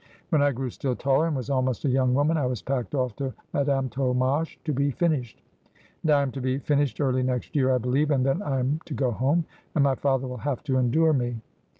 When I grew still taller, and was almost a young woman, I was packed off to Madame Tolmache to be finished ; and I am to be finished early next year, I believe, and then I am to go home, and my father will have to endure me.'